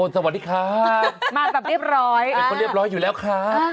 สวัสดีครับมาแบบเรียบร้อยเป็นคนเรียบร้อยอยู่แล้วครับ